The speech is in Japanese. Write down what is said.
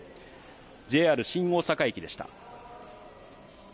ＪＲ新大阪駅でした。